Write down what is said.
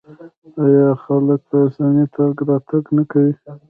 آیا خلک په اسانۍ تګ راتګ نه کوي؟